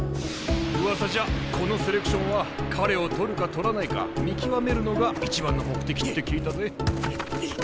うわさじゃこのセレクションは彼を獲るか獲らないか見極めるのが一番の目的って聞いたぜ。